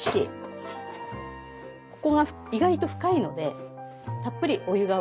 ここが意外と深いのでたっぷりお湯が沸かせるので。